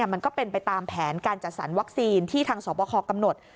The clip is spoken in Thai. มันก็เป็นไปตามแผนการจัดสรรวัคซีนที่ทางสอบคอกำหนด